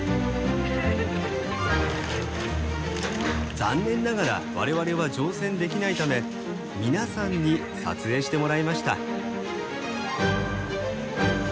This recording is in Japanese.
残念ながら我々は乗船できないため皆さんに撮影してもらいました。